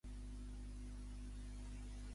Podem defensa l'opció de l'indult.